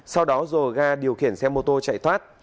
sau đó rồi ra điều khiển xe mô tô chạy thoát